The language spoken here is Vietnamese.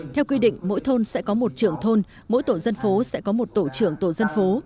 theo quy định mỗi thôn sẽ có một trưởng thôn mỗi tổ dân phố sẽ có một tổ trưởng tổ dân phố